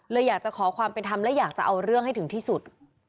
อยากจะขอความเป็นธรรมและอยากจะเอาเรื่องให้ถึงที่สุด